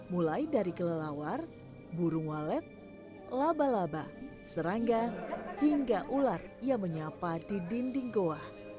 mulai dari kelelawar burung walet laba laba serangga hingga ular yang menyapa di dinding goa